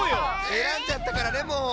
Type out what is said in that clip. えらんじゃったからねもう。